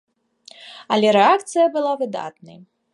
Але рэакцыя была выдатнай.